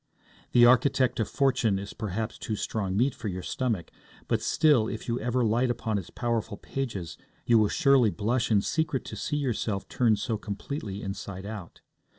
The Architect of Fortune is perhaps too strong meat for your stomach; but still, if you ever light upon its powerful pages, you will surely blush in secret to see yourself turned so completely inside out.